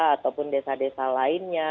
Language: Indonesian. ataupun desa desa lainnya